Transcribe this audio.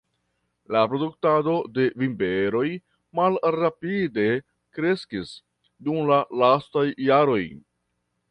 La produktado de vinberoj malrapide kreskis dum la lastaj jaroj.